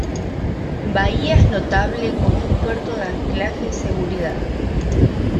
Bahía es notable como un puerto de anclaje y seguridad.